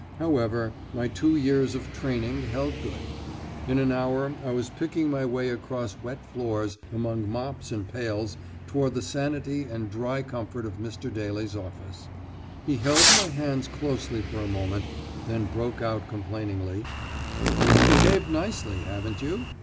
However, my two years of training held good. In an hour I was picking my way across wet floors, among mops and pails toward the sanity and dry comfort of Mr. Daly's office. He held my hands closely for a moment, then broke out complainingly: "You've behaved nicely, haven't you?